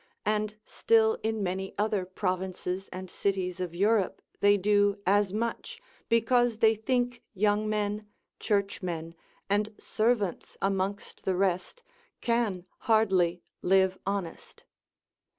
and still in many other provinces and cities of Europe they do as much, because they think young men, churchmen, and servants amongst the rest, can hardly live honest.